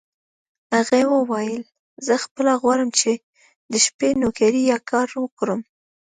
هغې وویل: زه خپله غواړم چې د شپې نوکري یا کار وکړم.